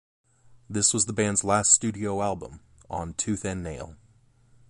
This was the band's last studio album on Tooth and Nail.